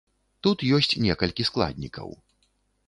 Тут ёсць некалькі складнікаў.